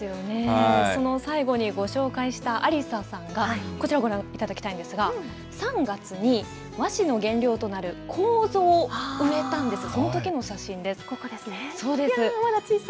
その最後にご紹介した安理沙さんが、こちらご覧いただきたいんですが、３月に和紙の原料となるこうぞを埋めたんです。